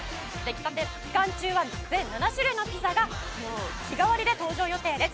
期間中は全７種類のピザが日替わりで登場予定です。